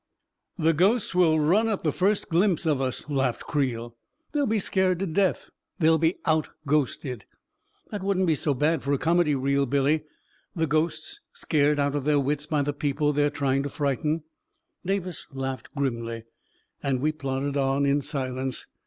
" The ghosts will run at the first glimpse of us," laughed Creel. "They will be scared to death. They'll be out ghosted I That wouldn't be so bad for a comedy reel, Billy — the ghosts scared out of their wits by the people they are trying to frighten I " Davis laughed grimly; and we plodded on in silence.